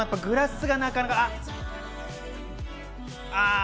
グラスがなかなか。